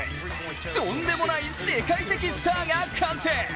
とんでもない世界的スターが観戦。